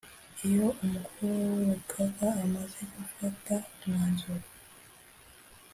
Iyo umukuru w urugaga amaze gufata umwanzuro